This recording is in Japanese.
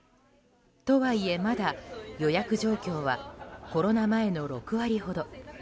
とはいえ、まだ予約状況はコロナ前の６割ほど。